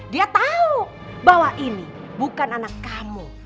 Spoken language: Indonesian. dia tahu bahwa ini bukan anak kamu